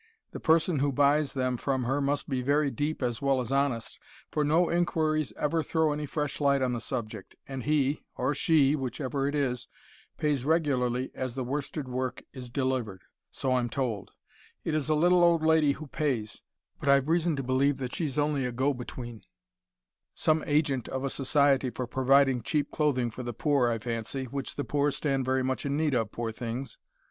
The person who buys them from her must be very deep as well as honest, for no inquiries ever throw any fresh light on the subject, and he or she, whichever it is pays regularly as the worsted work is delivered so I'm told! It is a little old lady who pays but I've reason to believe that she's only a go between some agent of a society for providing cheap clothing for the poor, I fancy, which the poor stand very much in need of, poor things!